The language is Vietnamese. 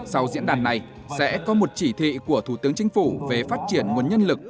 sau diễn đàn này sẽ có một chỉ thị của thủ tướng chính phủ về phát triển nguồn nhân lực